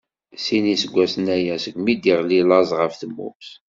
Sin n iseggasen aya segmi i d-iɣli laẓ ɣef tmurt.